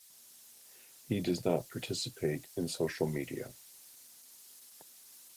He does not participate in social media.